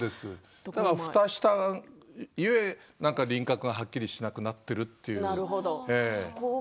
ふたした故に輪郭がはっきりしなくなっている。